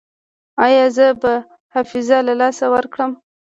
ایا زه به حافظه له لاسه ورکړم؟